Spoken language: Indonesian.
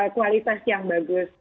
kualitas yang bagus